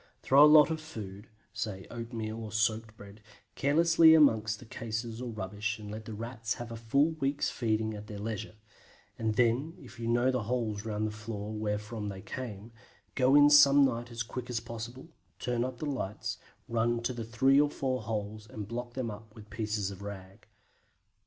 throw a lot of food, say oatmeal or soaked bread, carelessly amongst the cases or rubbish and let the Rats have a full week's feeding at their leisure, and then if you know the holes round the floor wherefrom they come, go in some night as quick as possible, turn up the lights, run to the three or four holes, and block them up with pieces of rag, etc.